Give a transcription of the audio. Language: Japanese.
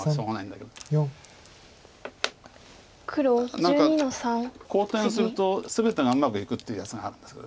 何か好転すると全てがうまくいくっていうやつがあるんですけど。